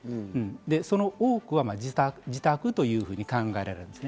その多くは自宅というふうに考えられます。